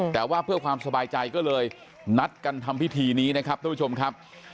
แต่ว่าเพื่อความสบายใจก็เลยนัดกันทำพิธีนี้นะครับท่านผู้ชมครับ